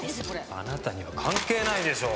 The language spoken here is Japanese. あなたには関係ないでしょう！